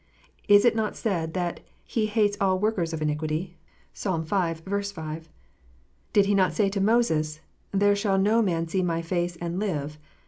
Is it not said, that He "hates all workers of iniquity"? (Psalm v. 5.) Did He not say to Moses, " There shall no man see My face and live"?